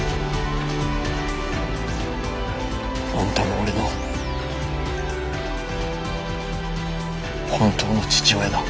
あんたが俺の本当の父親だ。